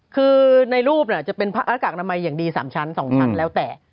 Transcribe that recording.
คือในรูปจะเป็นหน้ากากอนามัยอย่างดี๓ชั้น๒ชั้นแล้วแต่